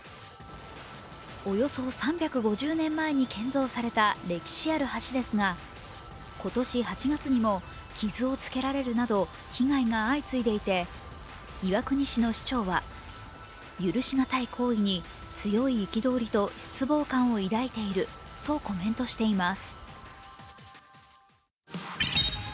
およそ３５０年前に建造された歴史ある橋ですが今年８月にも傷をつけられるなど被害が相次いでいて、岩国市の市長は、許し難い行為に強い憤りと失望感を抱いているとコメントしています。